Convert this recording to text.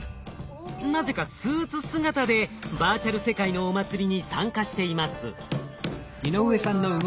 なぜかスーツ姿でバーチャル世界のお祭りに参加しています。